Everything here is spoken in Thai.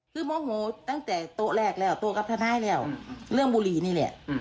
คือโมโหตั้งแต่โต๊ะแรกแล้วโต๊กับทนายแล้วเรื่องบุหรี่นี่แหละ